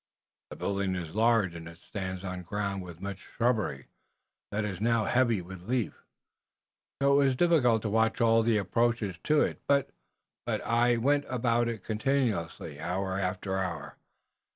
The building is large, and it stands on ground with much shrubbery that is now heavy with leaf. So it was difficult to watch all the approaches to it, but I went about it continuously, hour after hour.